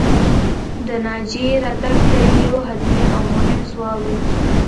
د ناجيې راتګ بیا یو حتمي او مهم سوال و